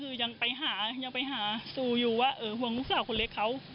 คือยังไปหายังไปหาสู่อยู่ว่าเออห่วงลูกสาวคนเล็กเขา